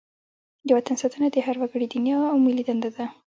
د وطن ساتنه د هر وګړي دیني او ملي دنده ده.